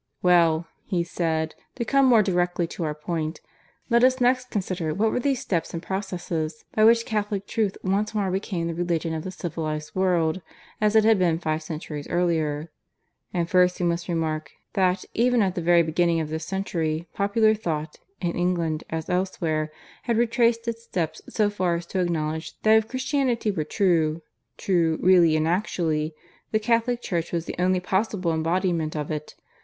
"Well," he said, "to come more directly to our point; let us next consider what were those steps and processes by which Catholic truth once more became the religion of the civilized world, as it had been five centuries earlier. "And first we must remark that, even at the very beginning of this century, popular thought in England as elsewhere had retraced its steps so far as to acknowledge that if Christianity were true true, really and actually the Catholic Church was the only possible embodiment of it.